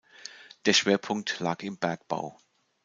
Der Schwerpunkt lag im Bergbau.